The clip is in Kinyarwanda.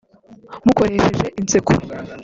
mukoresheje inseko